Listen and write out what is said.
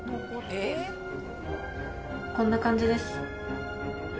こんな感じです。